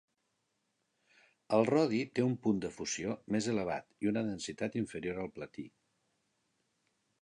El rodi té un punt de fusió més elevat i una densitat inferior al platí.